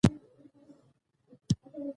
ځان مې سره راغونډ کړ.